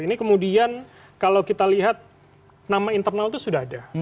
ini kemudian kalau kita lihat nama internal itu sudah ada